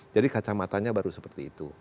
jadi kacamatanya baru seperti itu